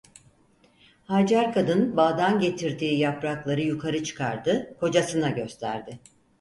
Hacer kadın bağdan getirdiği yaprakları yukarı çıkardı, kocasına gösterdi.